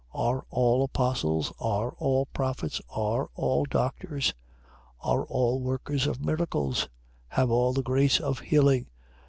12:29. Are all apostles? Are all prophets? Are all doctors? 12:30. Are all workers of miracles? Have all the grace of healing?